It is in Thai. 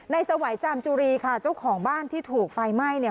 สวัยจามจุรีค่ะเจ้าของบ้านที่ถูกไฟไหม้เนี่ย